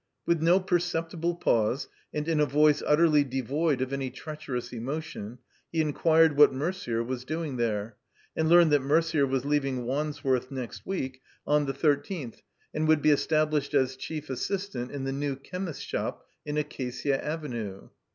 With no perceptible pause, and in a voice utterly devoid of any treacherous emotion, he inquired what Merder was doing there, and learned that Merder was leaving Wandsworth next week, on the thirteenth, and would be established as chief assistant in the new chemist's shop in Acada Avenue.